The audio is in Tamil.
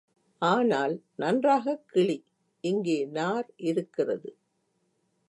ஆனால், நன்றாகக் கிழி, இங்கே நார் இருக்கிறது.